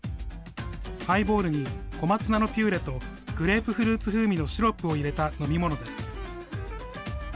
ハイボールに小松菜のピューレとグレープフルーツ風味のシロップを入れた飲み物です。